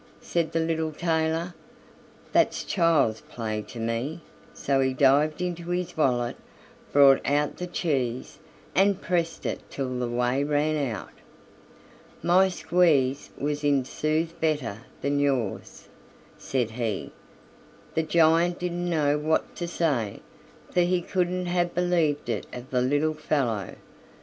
said the little tailor; "that's child's play to me," so he dived into his wallet, brought out the cheese, and pressed it till the whey ran out. "My squeeze was in sooth better than yours," said he. The giant didn't know what to say, for he couldn't have believed it of the little fellow.